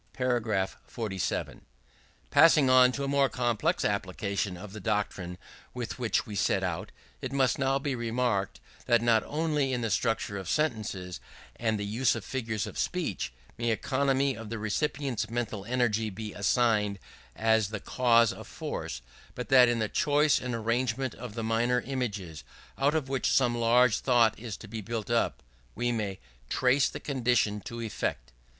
§ 47. Passing on to a more complex application of the doctrine with which we set out, it must now be remarked, that not only in the structure of sentences, and the use of figures of speech, may economy of the recipient's mental energy be assigned as the cause of force; but that in the choice and arrangement of the minor images, out of which some large thought is to be built up, we may trace the same condition to effect.